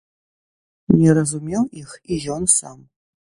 Не разумеў іх і ён сам.